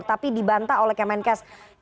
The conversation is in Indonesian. tapi dibanta oleh kementerian kesehatan